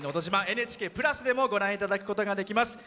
「ＮＨＫプラス」でもご覧いただくことができます。